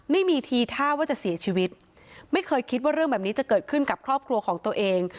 ไม่มีทีท่าว่าจะเสียชีวิตไม่เคยคิดว่าเรื่องแบบนี้จะเกิดขึ้นกับครอบครัวของตัวเอง